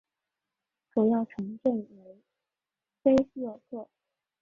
主要城镇为菲热克。